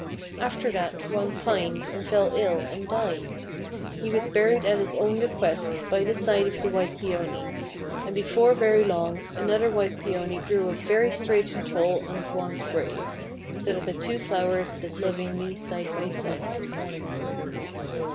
After that Hwang pined, and fell ill, and died. He was buried at his own request, by the side of the white Peony; and before very long another white Peony grew up very straight and tall on Hwang's grave; so that the two flowers stood lovingly side by side.